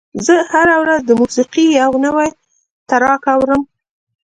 زه هره ورځ د موسیقۍ یو نوی ټراک اورم.